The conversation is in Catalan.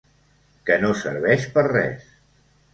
Que no serveix per res.